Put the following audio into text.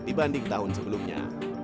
dibanding tahun sebelumnya